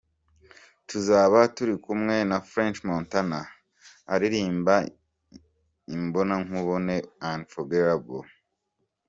Tuzaba turi kumwe na French Montana aririmba imbonankubone ’Unforgettable’.